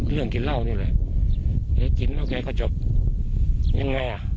เรื่องกินเหล้านี่เลยเอ๊ะกินแล้วแกก็จบยังไงอ่ะ